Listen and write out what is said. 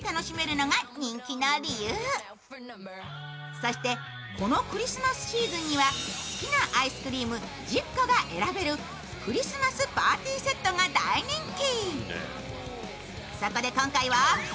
そして、このクリスマスシーズンには好きなアイスクリーム１０個が選べるクリスマスパーティーセットが大人気。